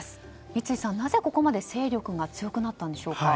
三井さん、なぜここまで勢力が強くなったんでしょうか？